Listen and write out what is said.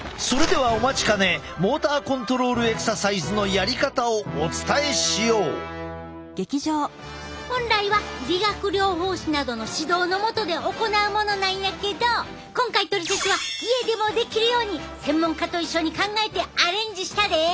それではお待ちかね本来は理学療法士などの指導の下で行うものなんやけど今回「トリセツ」は家でもできるように専門家と一緒に考えてアレンジしたで！